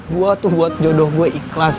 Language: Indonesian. gue tuh buat jodoh gue ikhlas